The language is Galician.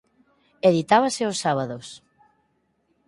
Editábase os sábados.